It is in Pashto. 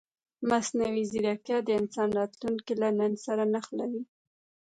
مصنوعي ځیرکتیا د انسان راتلونکی له نن سره نښلوي.